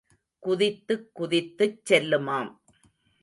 குதித்துக் குதித்துச் செல்லுமாம்.